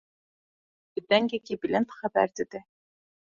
Bi dengekî bilind xeber dide.